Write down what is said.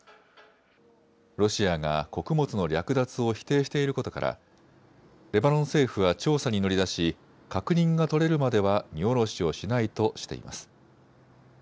ロシアが穀物の略奪を否定していることからレバノン政府は調査に乗り出し確認が取れるまでは荷降ろしをしないとしています。